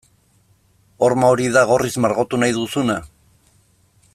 Horma hori da gorriz margotu nahi duzuna?